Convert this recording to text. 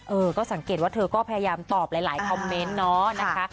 เออก็สังเกตว่าเธอก็พยายามตอบหลายคอมเมนต์เนาะนะคะ